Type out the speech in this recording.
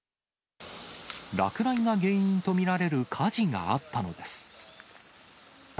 落雷が原因と見られる火事があったのです。